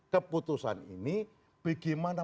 keputusan ini bagaimana